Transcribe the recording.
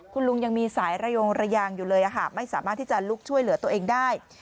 คุณลุงยังมีสายระยงระยางอยู่เลยไม่สามารถที่จะลุกช่วยเหลือตัวเองได้